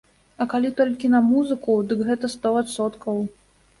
А калі толькі на музыку, дык гэта сто адсоткаў.